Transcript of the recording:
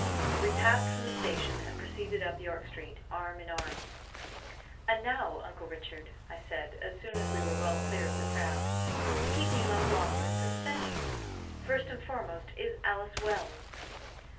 We passed from the station, and proceeded up York Street, arm in arm. "And now, Uncle Richard," I said, as soon as we were well clear of the crowd, "keep me no longer in suspense. First and foremost, is Alice well?"